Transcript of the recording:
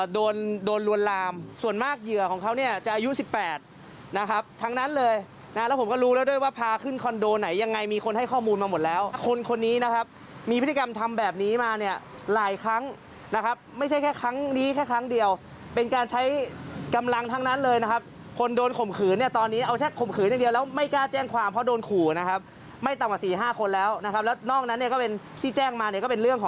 โดนรวนรามส่วนมากเหยื่อของเขาเนี่ยจะอายุ๑๘นะครับทั้งนั้นเลยนะแล้วผมก็รู้แล้วด้วยว่าพาขึ้นคอนโดไหนยังไงมีคนให้ข้อมูลมาหมดแล้วคนคนนี้นะครับมีพฤติกรรมทำแบบนี้มาเนี่ยหลายครั้งนะครับไม่ใช่แค่ครั้งนี้แค่ครั้งเดียวเป็นการใช้กำลังทั้งนั้นเลยนะครับคนโดนข่มขืนเนี่ยตอนนี้เอาแช่ข่มขืนอย่างเดียวแล้วไม่